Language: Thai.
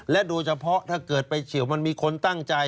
โดยเฉพาะถ้าเกิดไปเฉียวมันมีคนตั้งใจ